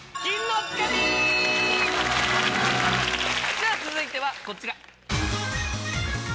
さぁ続いてはこちら。